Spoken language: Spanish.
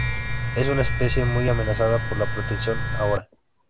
Es una especie muy amenazada en la protección ahora.